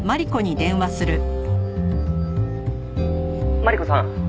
「マリコさん」